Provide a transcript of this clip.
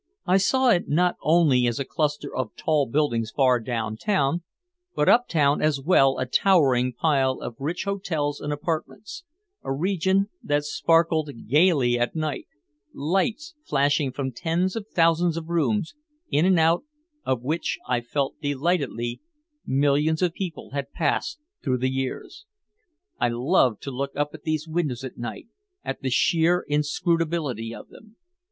I saw it not only as a cluster of tall buildings far downtown, but uptown as well a towering pile of rich hotels and apartments, a region that sparkled gaily at night, lights flashing from tens of thousands of rooms, in and out of which, I felt delightedly, millions of people had passed through the years. I loved to look up at these windows at night, at the sheer inscrutability of them.